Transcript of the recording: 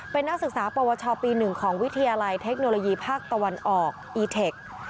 เป็นนักศึกษาปวชปี๑ของวิทยาลัยเทคโนโลยีภาคตะวันออกอีเทค